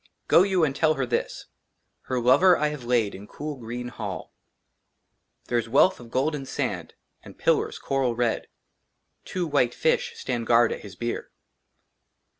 " GO YOU AND TELL HER THIS, " HER LOVER I HAVE LAID " IN COOL GREEN HALL. THERE IS WEALTH OF GOLDEN SAND AND PILLARS, CORAL RED ;TWO WHITE FISH STAND GUARD AT HIS BIER.